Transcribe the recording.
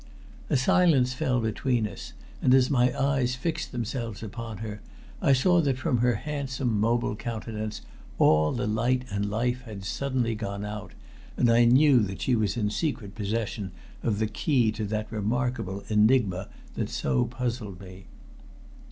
A silence fell between us, and as my eyes fixed themselves upon her, I saw that from her handsome mobile countenance all the light and life had suddenly gone out, and I knew that she was in secret possession of the key to that remarkable enigma that so puzzled me.